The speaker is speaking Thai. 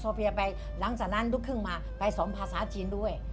เฟียไปหลังจากนั้นลูกครึ่งมาไปสอนภาษาจีนด้วย